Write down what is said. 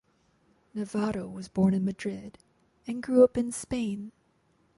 Nevado was born in Madrid and grew up in Spain.